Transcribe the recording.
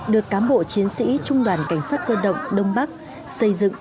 được cám bộ chiến sĩ trung đoàn cảnh sát cơ động đông bắc xây dựng